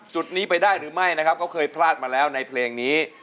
จุดนี้ไปได้หรือไม่นะครับเขาเคยพลาดมาแล้วในเพลงนี้